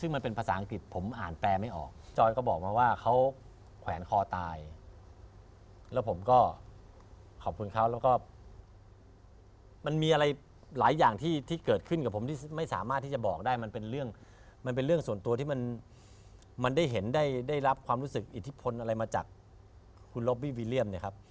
ซึ่งมันเป็นภาษาอังกฤษผมอ่านแปลไม่ออกจอยก็บอกมาว่าเขาแขวนคอตายแล้วผมก็ขอบคุณเขาแล้วก็มันมีอะไรหลายอย่างที่เกิดขึ้นกับผมที่ไม่สามารถที่จะบอกได้มันเป็นเรื่องมันเป็นเรื่องส่วนตัวที่มันได้เห็นได้รับความรู้สึกอิทธิพลอะไรมาจากคุณล็อบบี้วิเลี่ยมเนี่ยครับ